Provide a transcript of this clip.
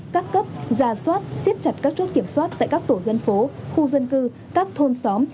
các cấp giả soát xiết chặt các chốt kiểm soát tại các tổ dân phố khu dân cư các thôn xóm